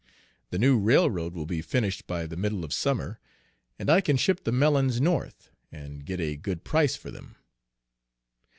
The new railroad will be finished by the middle of summer, and I can ship the melons North, and get a good price for them."